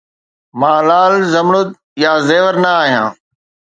مان لعل، زمرد يا زيور نه آهيان